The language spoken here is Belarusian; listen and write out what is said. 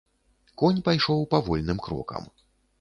Конь пайшоў павольным крокам.